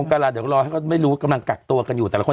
วงกราดเดี๋ยวเดี๋ยวก็รอให้ไว้ไม่รู้ว่ากำลังกักตัวกันอยู่แต่ละคน